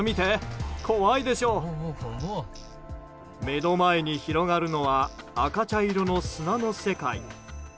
目の前に広がるのは赤茶色の砂の世界。